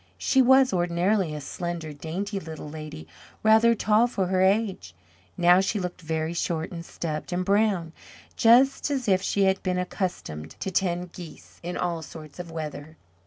She was, ordinarily, a slender, dainty little lady rather tall for her age. She now looked very short and stubbed and brown, just as if she had been accustomed to tend geese in all sorts of weather.